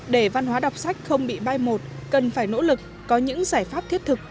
để văn hóa đọc sách không bị mai một cần phải nỗ lực có những giải pháp thiết thực